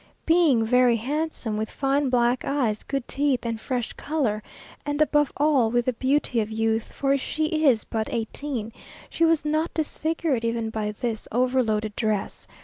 Being very handsome, with fine black eyes, good teeth, and fresh colour, and above all with the beauty of youth, for she is but eighteen, she was not disfigured even by this overloaded dress.